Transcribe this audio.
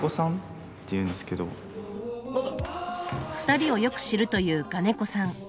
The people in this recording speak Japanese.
２人をよく知るという我如古さん。